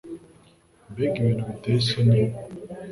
Mbega ibintu biteye isoni